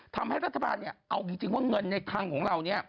ทำให้รัฐบาลเอาจริงว่าเงินในทางของเรา